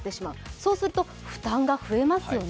そうすると負担が増えますよね。